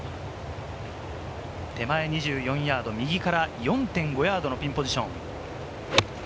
手前２４ヤード、右から４．５ヤードのピンポジション。